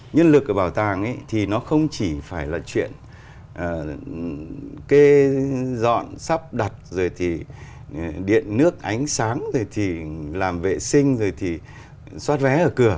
nhân lực ở bảo tàng ấy thì nó không chỉ phải là chuyện kê dọn sắp đặt rồi thì điện nước ánh sáng rồi thì làm vệ sinh rồi thì xoát vé ở cửa